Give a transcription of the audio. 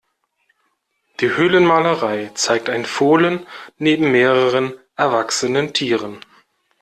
Die Höhlenmalerei zeigt ein Fohlen neben mehreren erwachsenen Tieren.